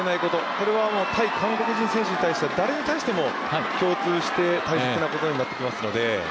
これは、対韓国人選手や誰に対しても共通して大切なことになってきますので。